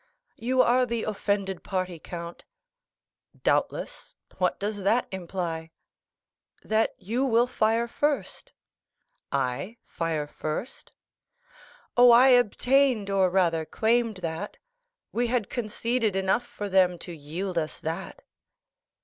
"You are the offended party, count." "Doubtless; what does that imply?" "That you will fire first." "I fire first?" "Oh, I obtained, or rather claimed that; we had conceded enough for them to yield us that."